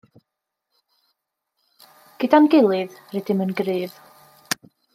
Gyda'n gilydd rydym yn gryf.